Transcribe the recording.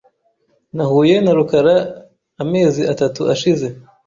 Nahuye na rukara amezi atatu ashize .